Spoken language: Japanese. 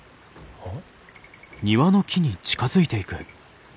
あっ。